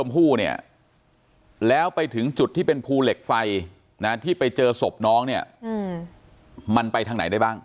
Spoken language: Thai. ไปตรงไหนได้บ้าง